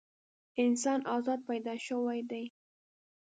انسان ازاد پیدا شوی دی.